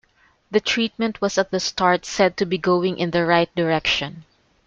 The treatment was at the start said to be going "in the right direction".